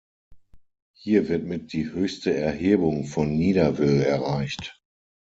Hier wird mit die höchste Erhebung von Niederwil erreicht.